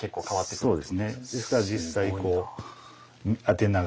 そうです。